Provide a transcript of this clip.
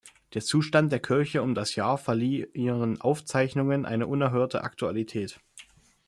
Der Zustand der Kirche um das Jahr verlieh ihren Aufzeichnungen eine unerhörte Aktualität.